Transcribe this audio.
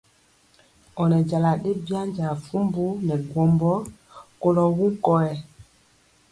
Ɔ nɛ jala byanja fumbu nɛ gwɔmbɔ kolɔ wuŋ kɔyɛ.